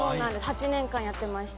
８年間やってました。